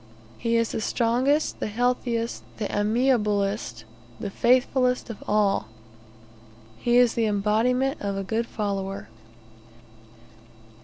He is the strongest, the healthiest, the amiablest, the faithfulest of all. He is the embodiment of a good follower.